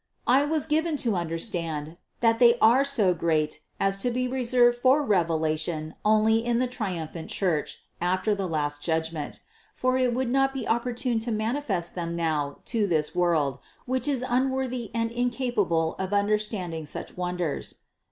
I was given to understand, that they are so great as to be reserved for revelation only in the triumphant Church after the last judgment; for it would not be opportune to manifest them now to this world, which is unworthy and incapable of understanding such wonders.